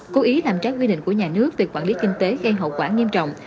cố ý làm trái quy định của nhà nước về quản lý kinh tế gây hậu quả nghiêm trọng